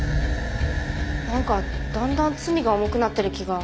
なんかだんだん罪が重くなってる気が。